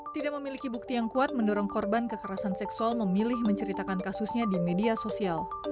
tidak memiliki bukti yang kuat mendorong korban kekerasan seksual memilih menceritakan kasusnya di media sosial